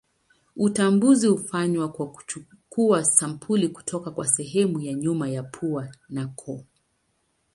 Utambuzi hufanywa kwa kuchukua sampuli kutoka kwa sehemu ya nyuma ya pua na koo.